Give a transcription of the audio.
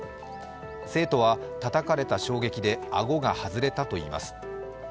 生徒はたたかれた衝撃で顎が外れたといいます。